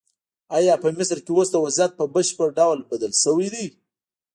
ایا په مصر کې اوس وضعیت په بشپړ ډول بدل شوی دی؟